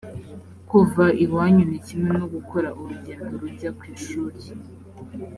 kuva iwanyu ni kimwe no gukora urugendo rujya ku ishuri